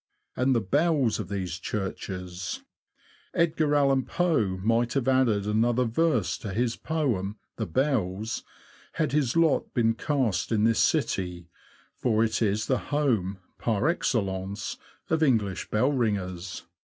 And the bells of these churches ! Edgar Allen Poe might have added another verse to his poem ''The Bells," had his lot been cast in this city , for it is the home, par excellence^ of English bellringers.